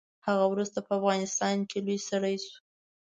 هغه وروسته په افغانستان کې لوی سړی شو.